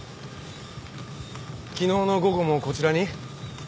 昨日の午後もこちらに？